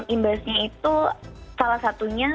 imbasnya itu salah satunya